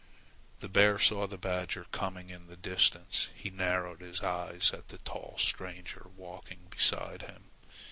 The bear saw the badger coming in the distance. He narrowed his eyes at the tall stranger walking beside him.